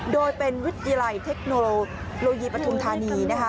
โดยเป็นวิทยาลัยเทคโนโลยีปฐุมธานีนะคะ